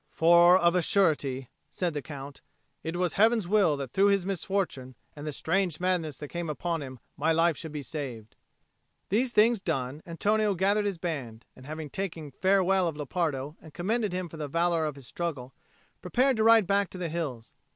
"For of a surety," said the Count, "it was Heaven's will that through his misfortune and the strange madness that came upon him my life should be saved." These things done, Antonio gathered his band, and, having taken farewell of Lepardo and commended him for the valour of his struggle, prepared to ride back to the hills.